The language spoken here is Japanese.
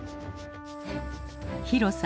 広さ